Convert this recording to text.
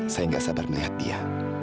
saya nggak sabar melihat dia